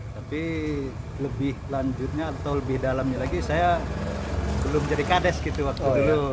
tapi lebih lanjutnya atau lebih dalamnya lagi saya belum jadi kades gitu waktu dulu